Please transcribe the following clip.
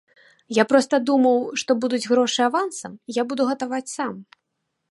Я проста думаў, што будуць грошы авансам, і я буду гатаваць сам.